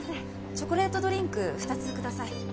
チョコレートドリンク２つください。